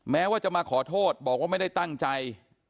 แม้ว่าจะมาขอโทษบอกว่าไม่ได้ตั้งใจ